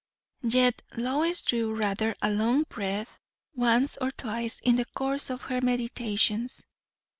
Yet Lois drew rather a long breath once or twice in the course of her meditations.